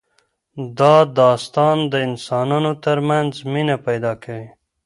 دا داستان د انسانانو ترمنځ مینه پیدا کوي.